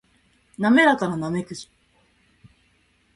滑らかなナメクジ